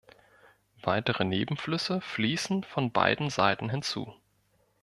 Weitere Nebenflüsse fließen von beiden Seiten hinzu.